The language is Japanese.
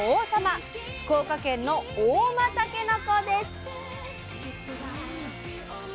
福岡県の「合馬たけのこ」です。